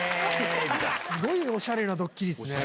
すごいオシャレなドッキリっすね。